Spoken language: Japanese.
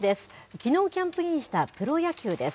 きのうキャンプインしたプロ野球です。